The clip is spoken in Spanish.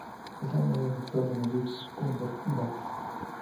Es la madre del actor Benedict Cumberbatch.